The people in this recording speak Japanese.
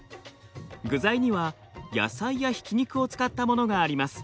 具材には野菜やひき肉を使ったものがあります。